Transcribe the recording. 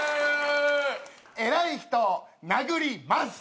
偉い人を殴ります。